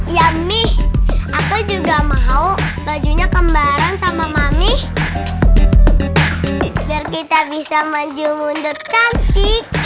ya mie aku juga mau bajunya kembaran sama mami kita bisa maju mundur cantik